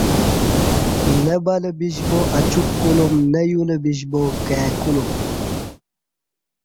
نہ بلہ بِش با اچوک کُلوم نہ یولہ بِش با کئے کُلوم